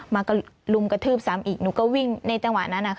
มาก็ลุมกระทืบซ้ำอีกหนูก็วิ่งในจังหวะนั้น